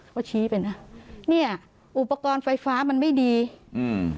เขาชี้ไปนะเนี้ยอุปกรณ์ไฟฟ้ามันไม่ดีอืม